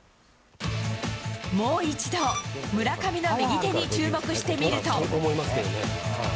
もう一度、村上の右手に注目してみると。